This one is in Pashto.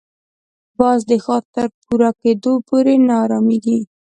باز د ښکار تر پوره کېدو پورې نه اراميږي